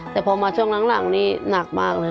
แต่พอมาช่วงหลังนี่หนักมากเลย